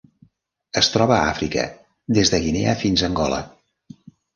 Es troba a Àfrica: des de Guinea fins a Angola.